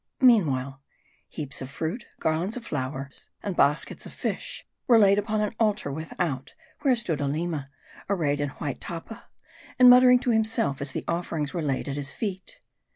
Meanwhile, heaps of fruit, garlands of flowers, and baskets of fish, were laid upon an altar without, where stood Aleema, arrayed in white tappa, and muttering to himself, as the offerings were laid at his feet.